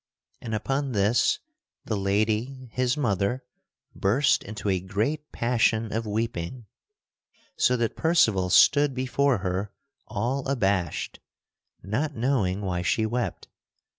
And upon this the lady, his mother, burst into a great passion of weeping, so that Percival stood before her all abashed, not knowing why she wept.